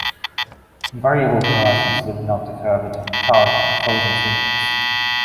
Variable fluorescence did not differ between thawed and frozen seedlings.